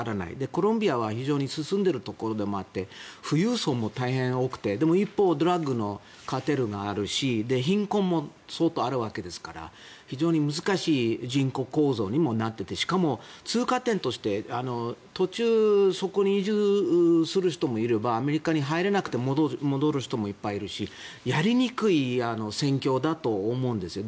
コロンビアは非常に進んでいるところでもあって富裕層も大変多くて、一方ドラッグのカルテルがあるし貧困も相当あるわけですから非常に難しい人口構造にもなっていてしかも通過点として途中、そこに移住する人もいればアメリカに入れなくて戻る人もいっぱいいるしやりにくい戦況だと思うんですよ。